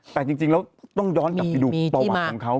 แต่จริงแล้วต้องย้อนกลับไปดูประวัติของเขา